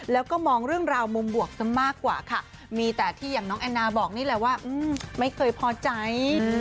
แล้วก็มองเรื่องราวมุมบวกซะมากกว่าค่ะมีแต่ที่อย่างน้องแอนนาบอกนี่แหละว่าไม่เคยพอใจ